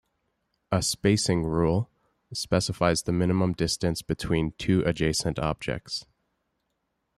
A "spacing" rule specifies the minimum distance between two adjacent objects.